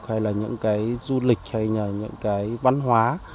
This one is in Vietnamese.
hay là những cái du lịch hay là những cái văn hóa